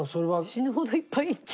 死ぬほどいっぱいいる。